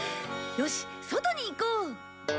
よし外に行こう！